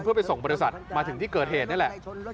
เพื่อไปส่งบริษัทมาถึงที่เกิดเหตุนี่แหละ